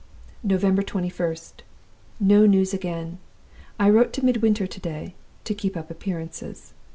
"November 21st. No news again. I wrote to Midwinter to day, to keep up appearances.